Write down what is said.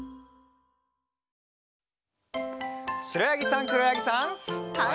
しろやぎさんくろやぎさん。